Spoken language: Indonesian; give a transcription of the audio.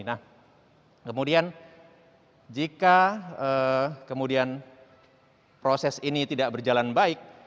nah kemudian jika kemudian proses ini tidak berjalan baik